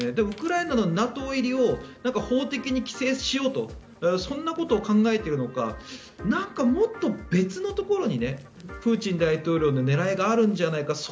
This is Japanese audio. ウクライナのＮＡＴＯ入りを法的に規制しようとそんなことを考えているのかなんかもっと別のところにプーチン大統領の狙いがあるんじゃないか。